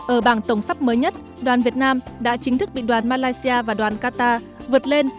ở bảng tổng sắp mới nhất đoàn việt nam đã chính thức bị đoàn malaysia và đoàn qatar vượt lên